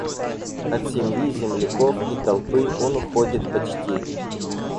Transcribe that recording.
От семьи, земляков и толпы он уходит почти.